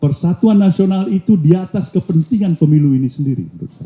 persatuan nasional itu di atas kepentingan pemilu ini sendiri